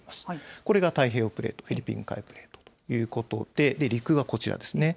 これが太平洋プレート、フィリピン海プレートということで、陸がこちらですね。